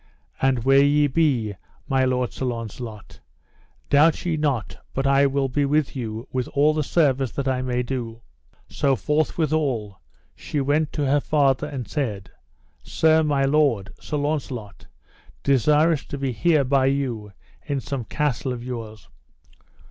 And where ye be, my lord Sir Launcelot, doubt ye not but I will be with you with all the service that I may do. So forthwithal she went to her father and said, Sir, my lord, Sir Launcelot, desireth to be here by you in some castle of yours.